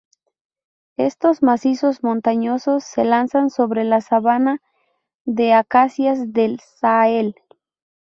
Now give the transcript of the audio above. Estos macizos montañosos se alzan sobre la sabana de acacias del Sahel.